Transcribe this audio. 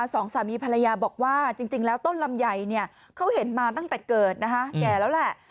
สองสามีภรรยาบอกว่าจริงแล้วต้นลำไยเนี่ยเขาเห็นมาตั้งแต่เกิดนะคะแก่แล้วแหละ